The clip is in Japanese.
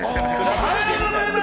おはようございます。